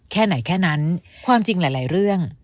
แค่ไหนแค่นั้นความจริงหลายเรื่อง